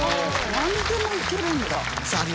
何にでもいけるんだ。